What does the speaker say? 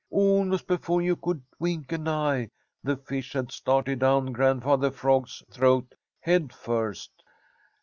Almost before you could wink an eye, the fish had started down Grandfather Frog's throat head first.